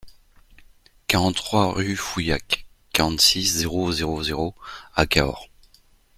quarante-trois rue Fouillac, quarante-six, zéro zéro zéro à Cahors